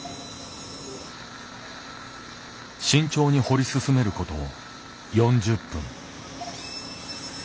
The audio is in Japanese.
慎重に掘り進めること４０分。